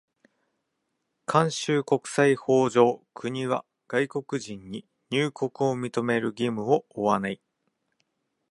慣習国際法上、国は外国人に入国を認める義務を負わない。